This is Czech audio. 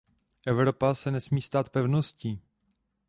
Evropa se nesmí stát pevností.